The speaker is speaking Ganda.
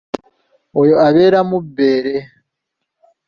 Oyo abeera mubbeere.